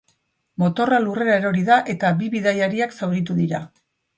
Motorra lurrera erori da, eta bi bidaiariak zauritu dira.